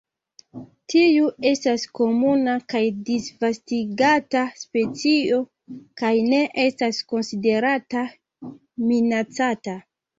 Tiu estas komuna kaj disvastigata specio, kaj ne estas konsiderata minacata.